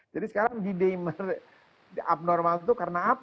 jadi sekarang d dimer abnormal itu karena apa